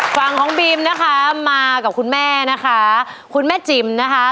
ฝั่งของบีมนะคะมากับคุณแม่นะคะคุณแม่จิ๋มนะคะ